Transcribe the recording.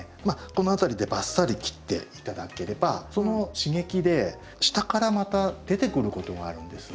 この辺りでバッサリ切って頂ければその刺激で下からまた出てくることがあるんです。